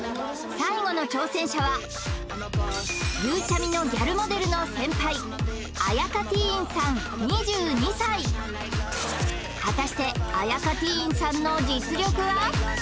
最後の挑戦者はゆうちゃみのギャルモデルの先輩あやかてぃーんさん２２歳果たしてあやかてぃーんさんの実力は？